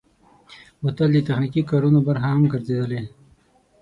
بوتل د تخنیکي کارونو برخه هم ګرځېدلی.